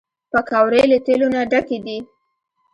پکورې له تیلو نه ډکې دي